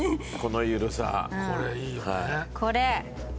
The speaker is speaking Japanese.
これ。